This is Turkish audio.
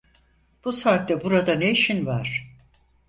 Bu saatte burada ne işin var?